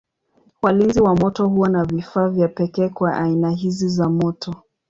Walinzi wa moto huwa na vifaa vya pekee kwa aina hizi za moto.